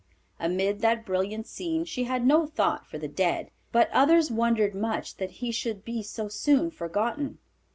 Amid that brilliant scene she had no thought for the dead, but others wondered much that he should be so soon forgotten.